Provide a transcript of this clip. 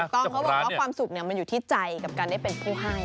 จริงเลยนะเจ้าของร้านนี้ถูกต้องเขาบอกว่าความสุขเนี่ยมันอยู่ที่ใจกับการได้เป็นผู้ให้